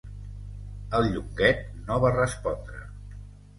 El Llonguet no va respondre.